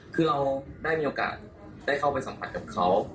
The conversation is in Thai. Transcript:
คือเราได้มีโอกาสได้เข้าไปสัมผัสกับเขา